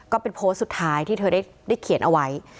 ก็เป็นโพสต์สุดท้ายที่เธอได้เขียนเอาไว้